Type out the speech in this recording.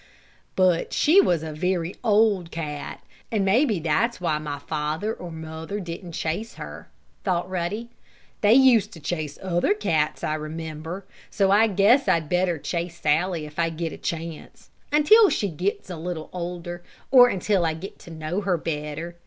"But she was a very old cat, and maybe that's why my father or mother didn't chase her," thought Ruddy. "They used to chase other cats I remember, so I guess I'd better chase Sallie if I get a chance, until she gets a little older, or until I get to know her better.